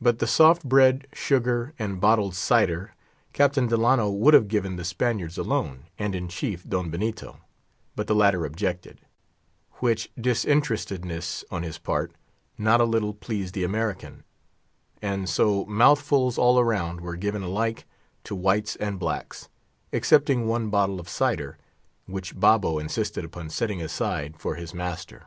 But the soft bread, sugar, and bottled cider, Captain Delano would have given the whites alone, and in chief Don Benito; but the latter objected; which disinterestedness not a little pleased the American; and so mouthfuls all around were given alike to whites and blacks; excepting one bottle of cider, which Babo insisted upon setting aside for his master.